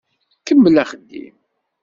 Kemmel axeddim.